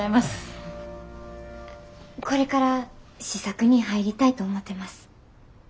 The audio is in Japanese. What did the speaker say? これから試作に入りたいと思ってます。